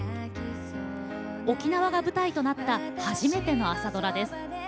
沖縄が舞台となった初めての朝ドラです。